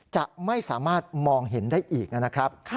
จะไม่สามารถมองเห็นได้อีกนะครับ